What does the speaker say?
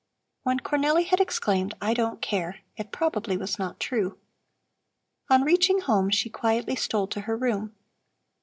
When Cornelli had exclaimed, "I don't care," it probably was not true. On reaching home she quietly stole to her room.